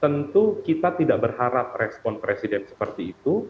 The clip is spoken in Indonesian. tentu kita tidak berharap respon presiden seperti itu